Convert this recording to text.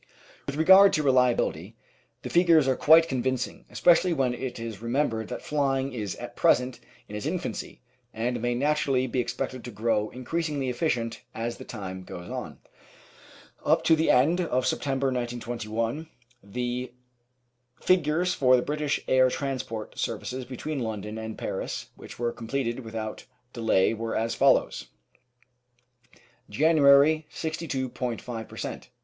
With regard to reliability, the figures are quite convincing, especially when it is remembered that flying is at present in its infancy, and may naturally be expected to grow increasingly efficient as time goes on. Up to the end of September 1921 the figures for the British air transport services between London and Paris which were completed without delay were as follows: Applied Science 80S January 62.5 per cent.